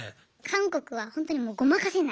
韓国はほんとにもうごまかせない。